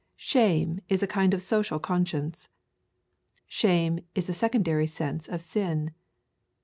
Shame is a kind of social conscience. Shame is a secondary sense of sin.